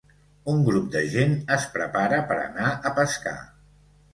Un grup de gent es prepara per anar a pescar.